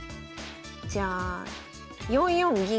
じゃあ４四銀。